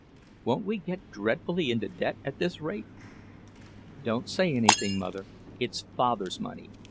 Won't we get dreadfully into debt at this rate?" "Don't say anything, Mother. It's Father's money.